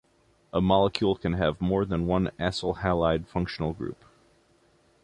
A molecule can have more than one acyl halide functional group.